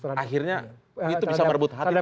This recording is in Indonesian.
akhirnya itu bisa merebut hati